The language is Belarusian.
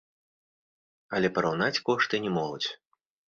Але параўнаць кошты не могуць.